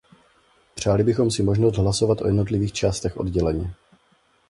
Přáli bychom si možnost hlasovat o jednotlivých částech odděleně.